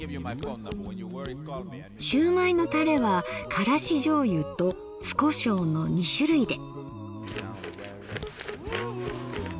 しゅうまいのタレはからしじょうゆと酢コショウの２種類で。